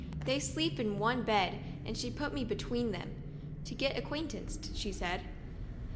They sleep in one bed and she put me between them, 'to get acquainted,'* she said